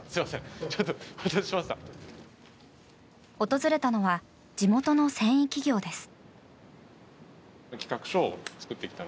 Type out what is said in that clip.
訪れたのは地元の繊維企業です。